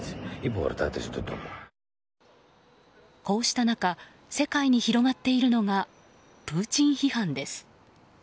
こうした中世界に広がっているのがプーチン批判です。